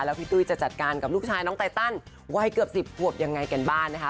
แล้วพี่ตุ้ยจะจัดการกับลูกชายน้องไตตันวัยเกือบ๑๐ขวบยังไงกันบ้างนะคะ